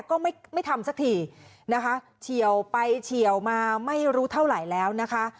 ก็ไม่ไม่ทำสักทีนะคะเฉียวไปเฉียวมาไม่รู้เท่าไหร่แล้วนะคะ